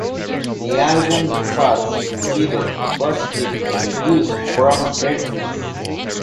The album has received positive reviews from critics.